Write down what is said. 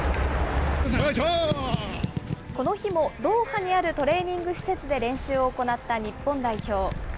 この日もドーハにあるトレーニング施設で練習を行った日本代表。